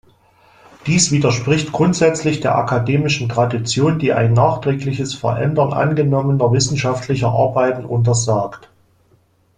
Dies widerspricht grundsätzlich der akademischen Tradition, die ein nachträgliches Verändern angenommener wissenschaftlicher Arbeiten untersagt.